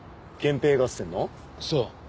そう。